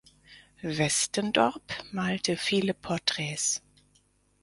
Westendorp malte viele Porträts.